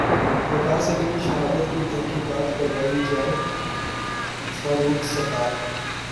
وقاص علی کی شہادت کی تحقیقات کروائی جائے فاروق ستار